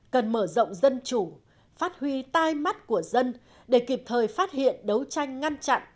cần mở rộng dân chủ phát huy tai mắt của dân để kịp thời phát hiện đấu tranh ngăn chặn